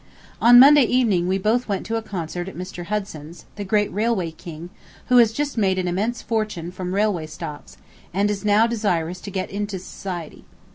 ... On Monday evening we both went to a concert at Mr. Hudson's, the great railway "king," who has just made an immense fortune from railway stocks, and is now desirous to get into society.